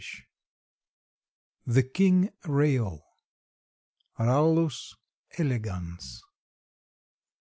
] THE KING RAIL. (_Rallus elegans.